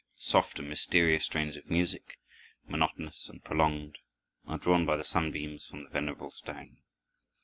Soft and mysterious strains of music, monotonous and prolonged, are drawn by the sunbeams from the venerable stone.